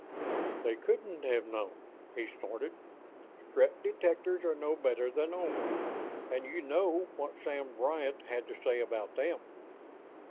"They couldn't have known!" he snorted. "Strett detectors are no better than Oman, and you know what Sam Bryant had to say about them."